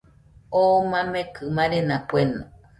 Oo mamekɨ marena kueno